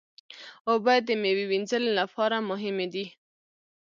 اوبه د میوې وینځلو لپاره مهمې دي.